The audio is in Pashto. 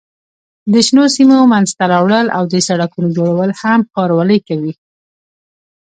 د شنو سیمو منځته راوړل او د سړکونو جوړول هم ښاروالۍ کوي.